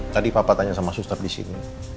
tadi papa tanya sama suster di sini